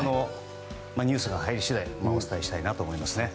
ニュースが入り次第お伝えしたいと思います。